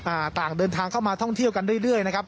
ต่างเดินทางเข้ามาท่องเที่ยวกันเรื่อยเรื่อยนะครับ